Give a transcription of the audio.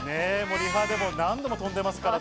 リハでも何度も飛んでますからね。